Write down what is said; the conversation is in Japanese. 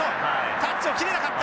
タッチを切れなかった。